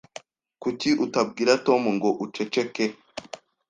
Kuki utabwira Tom ngo uceceke?